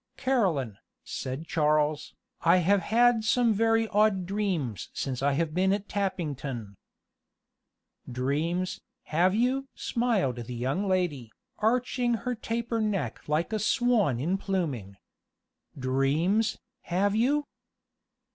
"Caroline," said Charles, "I have had some very odd dreams since I have been at Tappington." "Dreams, have you?" smiled the young lady, arching her taper neck like a swan in pluming. "Dreams, have you?"